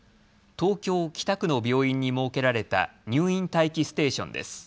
東京北区の病院に設けられた入院待機ステーションです。